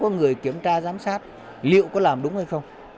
có người kiểm tra giám sát liệu có làm đúng hay không